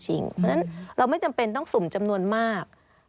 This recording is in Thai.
เพราะฉะนั้นเราไม่จำเป็นต้องสุ่มจำนวนมาก